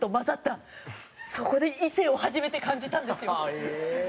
そこで異性を初めて感じたんですよ。